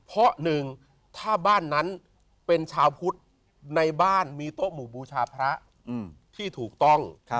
เพราะหนึ่งถ้าบ้านนั้นเป็นชาวพุทธในบ้านมีโต๊ะหมู่บูชาพระที่ถูกต้อง